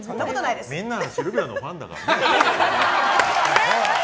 みんなシルビアのファンだから。